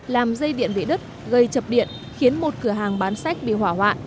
làm dây điện bị đứt gây chập điện khiến một cửa hàng bán sách bị hỏa hoạn